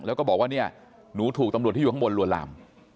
แล้วก็บอกว่าเนี่ยหนูถูกตำรวจที่อยู่ข้างบนลวนลาม